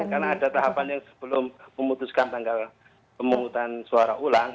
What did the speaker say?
karena ada tahapan yang sebelum memutuskan tanggal pemungutan suara ulang